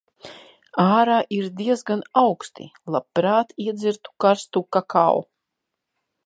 Ārā ir diezgan auksti. Labprāt iedzertu karstu kakao.